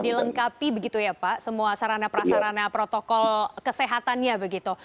dilengkapi begitu ya pak semua sarana prasarana protokol kesehatannya begitu